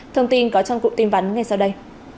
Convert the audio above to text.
thông tin có trong cụm tin vắn ngay sau đây